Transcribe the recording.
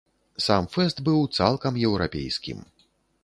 Сам фэст быў цалкам еўрапейскім.